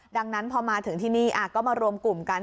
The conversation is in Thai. ดังนั้นพอมาถึงที่นี่ก็มารวมกลุ่มกัน